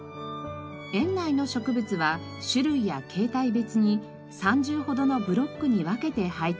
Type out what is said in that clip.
園内の植物は種類や形態別に３０ほどのブロックに分けて配置されています。